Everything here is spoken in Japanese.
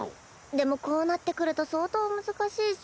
でもこうなってくると相当難しいっス。